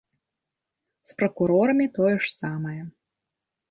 З пракурорамі тое ж самае.